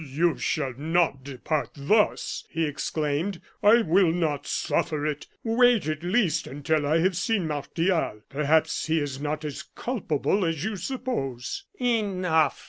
"You shall not depart thus!" he exclaimed. "I will not suffer it. Wait, at least, until I have seen Martial. Perhaps he is not as culpable as you suppose " "Enough!"